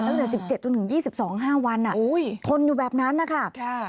ตั้งแต่๑๗จนถึง๒๒๕วันทนอยู่แบบนั้นนะคะ